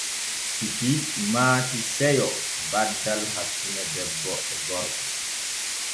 Siki maati seyo baddal hakkune debbo e gorko.